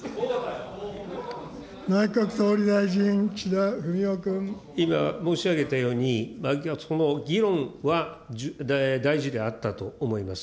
内閣総理大臣、今、申し上げたように、その議論は大事であったと思います。